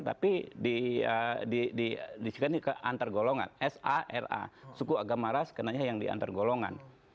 tapi di antar golongan sa ra suku agama ras karenanya yang di antar golongan